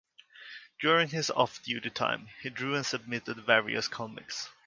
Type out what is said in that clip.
During his off duty time, he drew and submitted various comics.